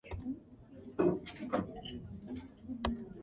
The company occupied the premises recently vacated by Percival Aircraft.